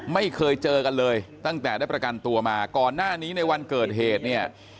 ไม่เคยเจอกันเลยตั้งแต่ได้ประกันตัวมาก่อนหน้านี้ในวันเกิดเหตุเนี่ย